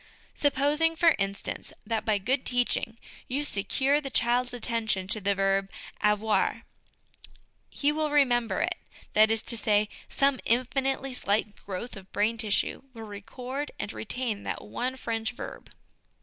Supposing, for instance, that by good teaching you secure the child's attention to the verb avoir, he will remember it ; that is to say, some infinitely slight growth of brain tissue will record and retain that one French verb.